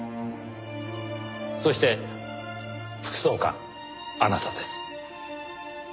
そして副総監あなたです。